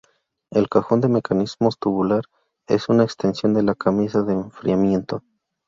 El cajón de mecanismos tubular es una extensión de la camisa de enfriamiento.